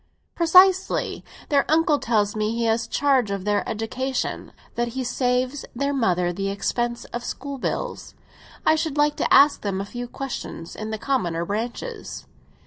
"Precisely. Their uncle tells me he has charge of their education, that he saves their mother the expense of school bills. I should like to ask them a few questions in the commoner branches."